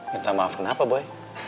minta maaf kenapa boy